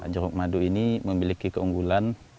jeruk madu ini memiliki keunggulan